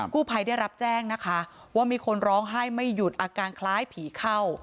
ผู้ภัยได้รับแจ้งนะคะว่ามีคนร้องไห้ไม่หยุดอาการคล้ายผีเข้า